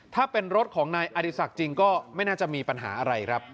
ถ้าเป็นรถของนายอดีศักดิ์จริงก็ไม่น่าจะมีปัญหาอะไรครับ